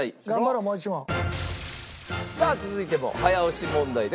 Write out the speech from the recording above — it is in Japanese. さあ続いても早押し問題です。